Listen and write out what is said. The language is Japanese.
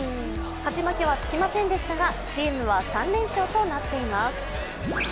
勝ち負けはつきませんでしたがチームは３連勝となっています。